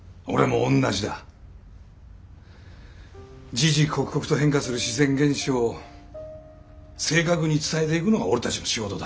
時々刻々と変化する自然現象を正確に伝えていくのが俺たちの仕事だ。